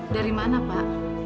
dari mana pak